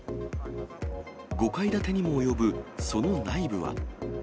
５階建てにも及ぶその内部は。